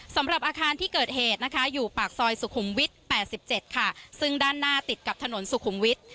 สำหรับอาคารที่เกิดเหตุนะคะอยู่ปากซอยสุขุมวิทย์๘๗ค่ะซึ่งด้านหน้าติดกับถนนสุขุมวิทย์